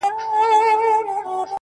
ویل گوره تا مي زوی دئ را وژلی!.